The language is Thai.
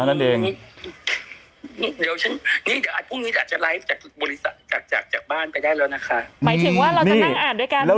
หนุ่มกัญชัยโทรมา